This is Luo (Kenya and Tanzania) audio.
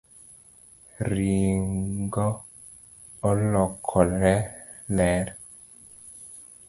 Ringo olokore ler